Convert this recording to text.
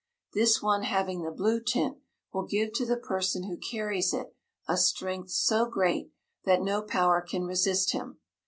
This one having the blue tint will give to the person who carries it a strength so great that no power can resist him.